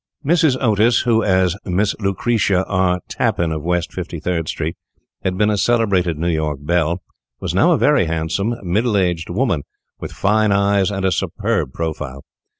Mrs. Otis, who, as Miss Lucretia R. Tappan, of West 53d Street, had been a celebrated New York belle, was now a very handsome, middle aged woman, with fine eyes, and a superb profile.